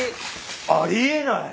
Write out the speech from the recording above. あり得ない。